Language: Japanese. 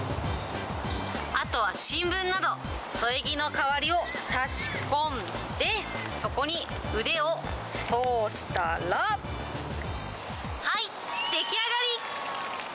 あとは新聞など、添え木の代わりを差し込んで、そこに腕を通したら、はい、出来上がり。